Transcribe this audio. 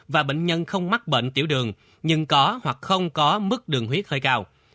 và bệnh nhân không mắc bệnh tiểu đường nhưng có hoặc không có mức đường huyết hơi cao